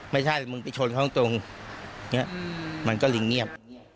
ไม่ใช่มึงไปชนเขาตรงมันก็ลิงเงียบ